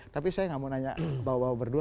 tapi saya nggak mau nanya bawa bawa berdua